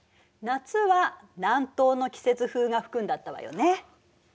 夏は南東の季節風が吹くんだったわよね。